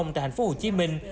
tại thành phố hồ chí minh